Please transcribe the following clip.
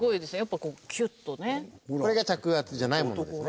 これが着圧じゃないものですね。